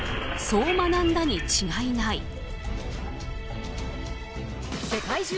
そう学んだに違いない。